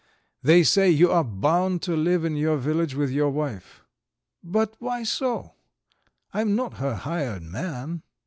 They say you are bound to live in your cottage with your wife. But why so? I am not her hired man."